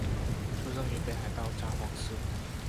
出生于北海道札幌市。